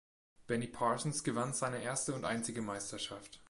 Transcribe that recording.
Benny Parsons gewann seine erste und einzige Meisterschaft.